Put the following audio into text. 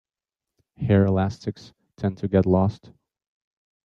Hair elastics tend to get lost.